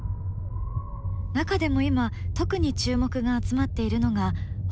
中でも今特に注目が集まっているのが北海道です。